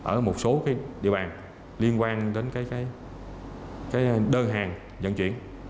ở một số địa bàn liên quan đến đơn hàng dẫn chuyển